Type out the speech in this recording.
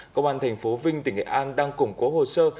công an thành phố vinh tỉnh nghệ an đang củng cố hồ sơ